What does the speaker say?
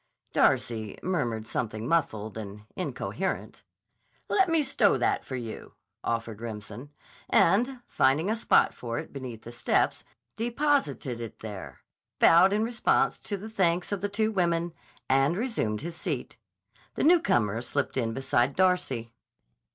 Darcy murmured something muffled and incoherent. "Let me stow that for you," offered Remsen, and, finding a spot for it beneath the steps, deposited it there, bowed in response to the thanks of the two women, and resumed his seat. The newcomer slipped in beside Darcy.